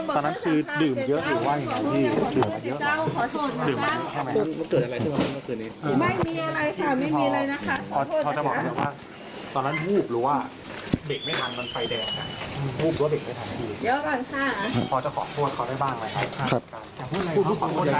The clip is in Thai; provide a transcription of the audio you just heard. ตอนนั้นคือดื่มเยอะกว่าอย่างนี้